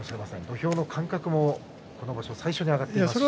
土俵の感覚もこの場所、最初に上がっていますし。